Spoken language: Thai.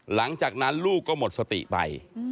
หลังจากนั้นลูกก็หมดสติไป